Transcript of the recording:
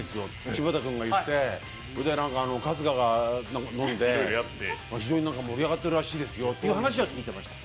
柴田君が言って、春日が飲んで、非常に盛り上がってるらしいですという話は聞いていました。